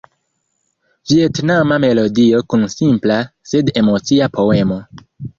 Vjetnama melodio kun simpla, sed emocia poemo.